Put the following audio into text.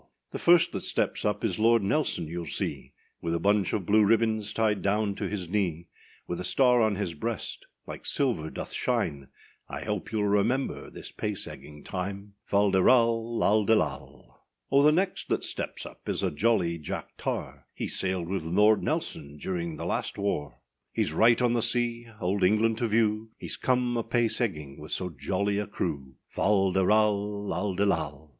The first that steps up is Lord [Nelson] youâll see, With a bunch of blue ribbons tied down to his knee; With a star on his breast, like silver doth shine; I hope youâll remember this pace egging time. Fal de ral, &c. O! the next that steps up is a jolly Jack tar, He sailed with Lord [Nelson], during last war: Heâs right on the sea, Old England to view: Heâs come a pace egging with so jolly a crew. Fal de ral, &c. O!